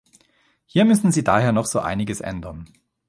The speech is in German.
Hier müssen Sie daher noch so einiges ändern.